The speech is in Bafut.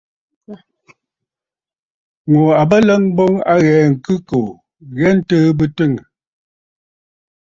Ŋù à bə ləŋ boŋ a ghɛɛ ŋ̀khɨ̂kòò ghɛɛ ntɨɨ bɨ twiŋə̀.